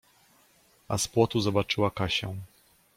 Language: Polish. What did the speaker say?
A z płotu zobaczyła Kasię.